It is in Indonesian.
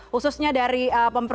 khususnya dari bambang